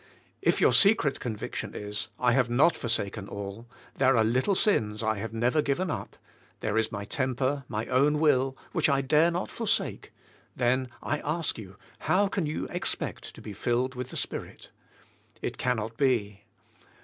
If your secret conviction is, I have not forsaken all, there are little sins I have never given up, there is my temper, my own will, which I dare not forsake, then, I ask you, how can you expect to be filled with the Spirit? It cannot be.